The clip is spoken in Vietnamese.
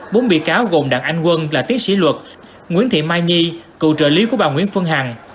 bốn bị cáo gồm đảng anh quân là tiến sĩ luật nguyễn thị mai nhi cựu trợ lý của bà nguyễn phương hằng